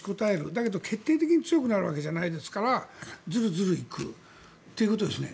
だけど、決定的に強くなるわけじゃないですからズルズル行くということですよね。